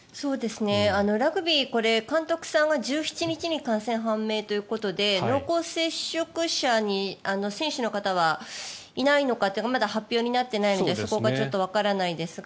ラグビーは監督さんが１７日に感染判明ということで濃厚接触者に選手の方はいないのかってまだ発表になってないのでそこがわからないですが